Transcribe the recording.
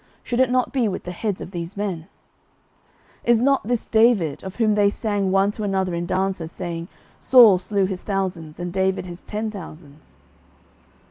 should it not be with the heads of these men? 09:029:005 Is not this David, of whom they sang one to another in dances, saying, Saul slew his thousands, and David his ten thousands?